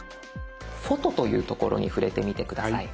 「フォト」というところに触れてみて下さい。